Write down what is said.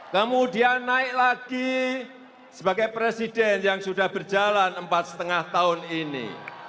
kemudian naik lagi sebagai presiden yang sudah berjalan empat lima tahun ini